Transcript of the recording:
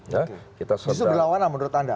justru berlawanan menurut anda